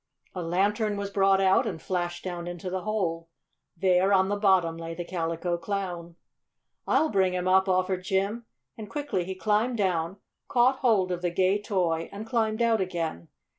A lantern was brought out and flashed down into the hole. There, on the bottom, lay the Calico Clown. "I'll bring him up!" offered Jim, and quickly he climbed down, caught hold of the gay toy, and climbed out again.